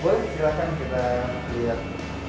boleh silahkan kita lihat